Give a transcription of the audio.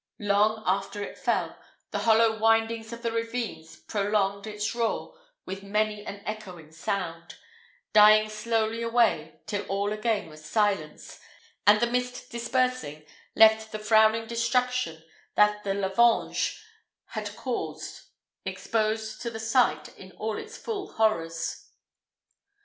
Long after it fell, the hollow windings of the ravines prolonged its roar with many an echoing sound, dying slowly away till all again was silence, and the mist dispersing left the frowning destruction that the lavange had caused exposed to the sight in all its full horrors.